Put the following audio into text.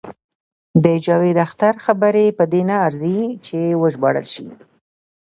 د جاوید اختر خبرې په دې نه ارزي چې وژباړل شي.